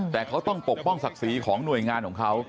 แต่เขาต้องปกป้องศักดิ์ศรีของหน่วยงานของเขา